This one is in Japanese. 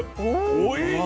おいしい。